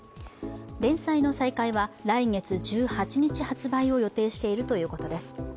連載の再開は来月１８日発売を予定しているということです。